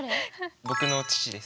僕の父です。